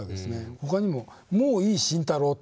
他にも「『もういい慎太郎』